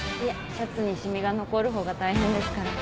シャツに染みが残る方が大変ですから。